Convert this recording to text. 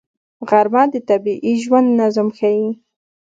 غرمه د طبیعي ژوند نظم ښيي